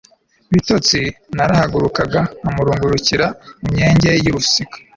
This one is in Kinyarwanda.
bitotsi, narahagurukaga nkamurungurukira mu myenge y'urusika